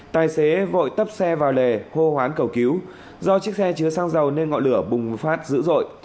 tài xế vội tấp xe vào lề hô hoán cầu cứu do chiếc xe chứa xăng dầu nên ngọn lửa bùng phát dữ dội